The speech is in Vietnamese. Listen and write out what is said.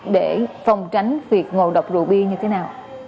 để phòng tránh việc ngộ độc rượu bia như thế nào